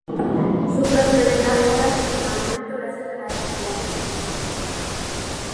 Su prosperidad fue en aumento gracias a las actividades agrícolas.